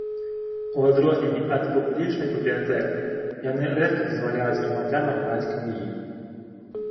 У адрозненне ад публічных бібліятэк, яны рэдка дазваляюць грамадзянам браць кнігі.